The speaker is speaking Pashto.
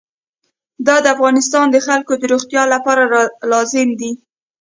دا د افغانستان د خلکو د روغتیا لپاره لازم دی.